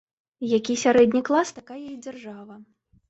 Які сярэдні клас, такая і дзяржава.